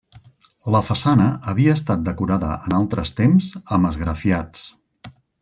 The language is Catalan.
La façana havia estat decorada en altres temps amb esgrafiats.